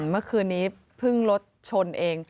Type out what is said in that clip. เมื่อคืนนี้เพิ่งรถชนเอง